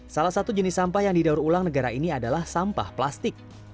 salah satu jenis sampah yang didaur ulang negara ini adalah sampah plastik